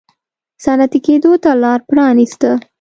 صنعتي کېدو ته لار پرانېسته.